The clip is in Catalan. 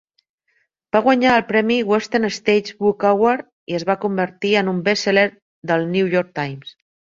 Va guanyar el premi Western States Book Award i es va convertir en un best- seller del "New York Times".